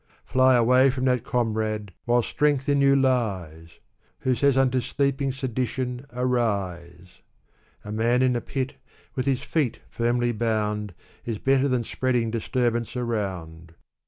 Fly away from that comrade, while strength in you lies ! Who says unto sleeping sedition, " Arise !" A man in a pit, with his feet firmly bound. Is better than spreading disturbance around.